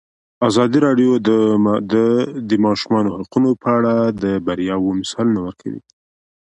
ازادي راډیو د د ماشومانو حقونه په اړه د بریاوو مثالونه ورکړي.